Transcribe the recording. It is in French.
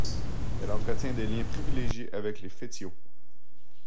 Elle entretient des liens privilégiés avec les fétiaux.